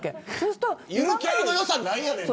ゆるキャラのよさはないよね。